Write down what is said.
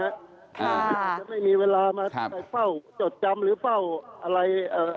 ถ้าไม่มีเวลามาจดจำหรือเป้าอะไร